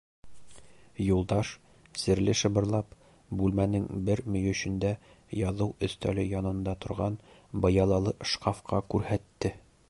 Юлдаш, серле шыбырлап, бүлмәнең бер мөйөшөндә яҙыу өҫтәле янында торған быялалы шкафҡа күрһәтте.